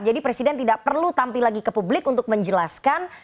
jadi presiden tidak perlu tampil lagi ke publik untuk menjelaskan